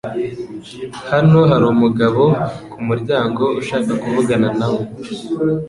Hano hari umugabo kumuryango ushaka kuvugana nawe.